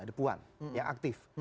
ada puan yang aktif